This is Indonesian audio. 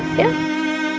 aku peluk kamu lagi ya